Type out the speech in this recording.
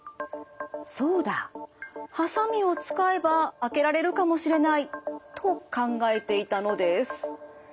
そうだハサミを使えば開けられるかもしれないと考えていたのです。